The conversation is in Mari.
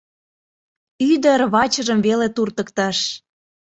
Ӱдыр вачыжым веле туртыктыш.